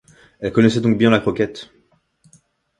Elle connaissait donc bien la croquette.